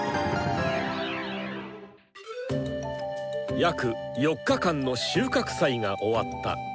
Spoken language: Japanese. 約４日間の収穫祭が終わった。